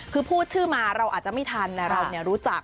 คือพูดชื่อมาเราอาจจะไม่ทันแต่เรารู้จัก